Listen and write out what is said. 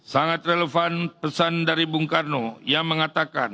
sangat relevan pesan dari bung karno yang mengatakan